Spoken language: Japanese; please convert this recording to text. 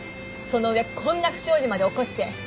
その上こんな不祥事まで起こして。